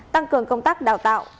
tăng cường công tác đào tạo